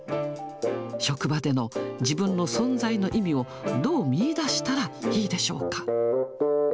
職場での自分の存在の意味をどう見いだしたらいいでしょうか。